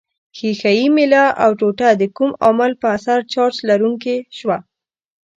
ښيښه یي میله او ټوټه د کوم عامل په اثر چارج لرونکې شوه؟